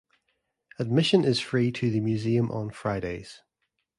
Admission is free to the museum on Fridays.